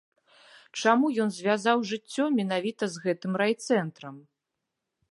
Чаму ён звязаў жыццё менавіта з гэтым райцэнтрам?